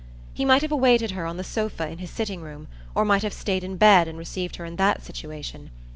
He might have awaited her on the sofa in his sitting room, or might have stayed in bed and received her in that situation.